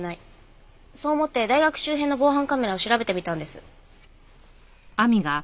そう思って大学周辺の防犯カメラを調べてみたんです。